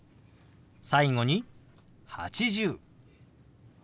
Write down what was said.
最後に「８０」。